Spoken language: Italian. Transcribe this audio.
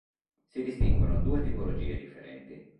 Si distinguono due tipologie differenti.